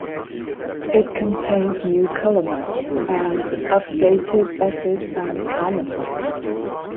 It contains new color maps and updated essays and commentaries.